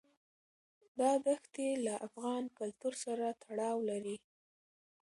دا دښتې له افغان کلتور سره تړاو لري.